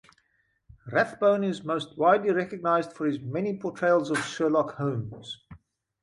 Rathbone is most widely recognised for his many portrayals of Sherlock Holmes.